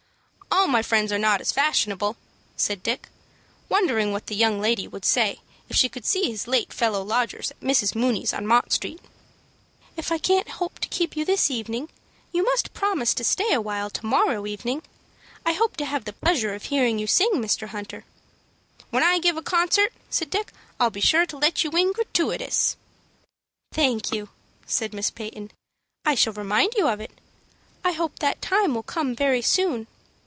"All my friends are not as fashionable," said Dick, wondering what the young lady would say if she could see his late fellow lodgers at Mrs. Mooney's, on Mott Street. "If I can't hope to keep you this evening, you must promise to stay awhile to morrow evening. I hope to have the pleasure of hearing you sing, Mr. Hunter." "When I give a concert," said Dick, "I'll be sure to let you in gratooitous." "Thank you," said Miss Peyton. "I shall remind you of it. I hope that time will come very soon."